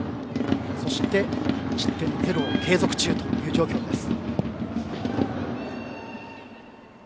そして、失点ゼロを継続中という状況です。